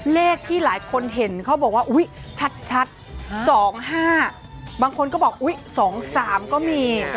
เลขที่หลายคนเห็นเขาบอกว่าอุ๊ยชัด๒๕บางคนก็บอกอุ๊ย๒๓ก็มี